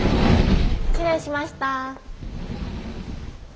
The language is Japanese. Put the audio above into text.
失礼しました。